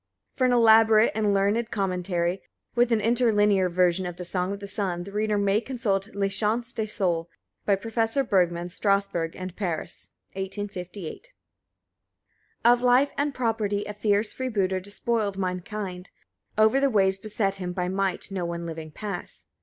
For an elaborate and learned commentary, with an interlinear version of "the Song of the Sun," the reader may consult "Les Chants de Sol," by Professor Bergmann, Strasbourg & Paris, 1858. 1. Of life and property a fierce freebooter despoiled mankind; over the ways beset by him might no one living pass.